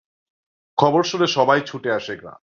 খবর শুনে সবাই ছুটে আসে গ্রামে।